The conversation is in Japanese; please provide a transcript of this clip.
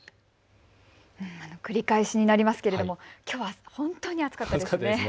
繰り返しになりますけれども、きょうは本当に暑かったですね。